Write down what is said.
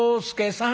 さん